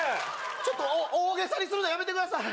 ちょっと大げさにするのやめてください